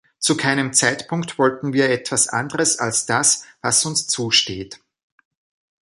Zu keinem Zeitpunkt wollten wir etwas anderes als das, was uns zusteht.